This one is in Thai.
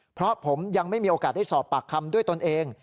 เพราะผมยังไม่มีโอกาสได้สอบปากคำด้วยตนเอง